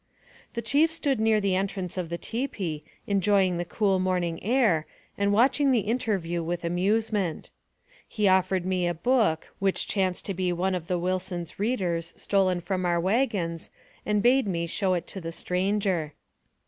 The chief stood near the entrance of the tipi, enjoy ing the cool morning air, and watching the interview with amusement. He offered me a book, which chanced to be one of the Willson's readers, stolen from our wagons, and bade me show it to the stranger.